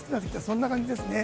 そんな感じですね。